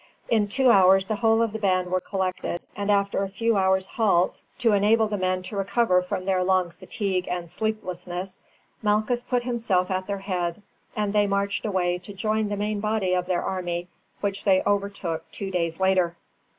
In two hours the whole of the band were collected, and after a few hours' halt, to enable the men to recover from their long fatigue and sleeplessness, Malchus put himself at their head and they marched away to join the main body of their army, which they overtook two days later.